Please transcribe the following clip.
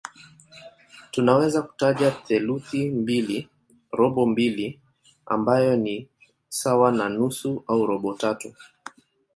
Tunaweza kutaja theluthi mbili, robo mbili ambayo ni sawa na nusu au robo tatu.